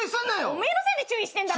お前のせいで注意してんだ。